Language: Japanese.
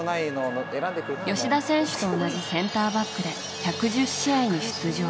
吉田選手と同じセンターバックで１１０試合に出場。